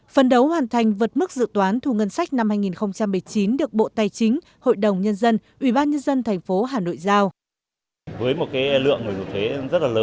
phấn đấu hoàn thành vượt mức dự toán thu ngân sách năm hai nghìn một mươi chín được bộ tài chính hội đồng nhân dân ubnd tp hà nội giao